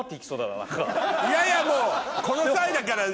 いやいやもう。